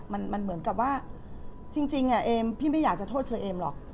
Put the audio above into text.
มันเหมือนกับว่าจริงเอมพี่ไม่อยากจะโทษเชอเอมหรอก